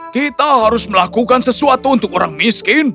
kita harus melakukan sesuatu untuk orang miskin